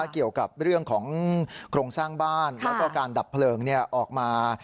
เกี่ยวกับเรื่องของโครงสร้างบ้านแล้วก็การดับเพลิงออกมา